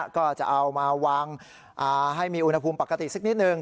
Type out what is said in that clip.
ก็จะเอามาวางให้มีอุณหภูมิปกติสักนิดหนึ่ง